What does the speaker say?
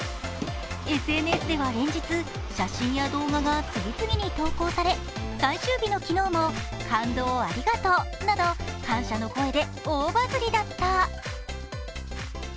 ＳＮＳでは連日、写真や動画が次々に投稿され最終日の昨日も感動をありがとうなど感謝の声で大バズりだった。